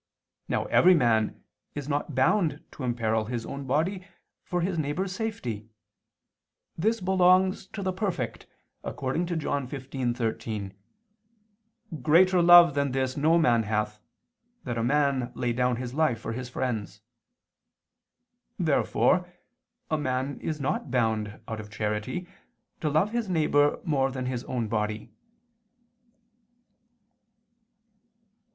Now every man is not bound to imperil his own body for his neighbor's safety: this belongs to the perfect, according to John 15:13: "Greater love than this no man hath, that a man lay down his life for his friends." Therefore a man is not bound, out of charity, to love his neighbor more than his own body.